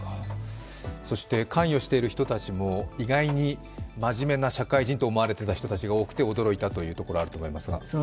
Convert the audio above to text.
そして、関与している人たちも意外に真面目な社会人といわれている人が多くて驚いたというところがあると思いますが。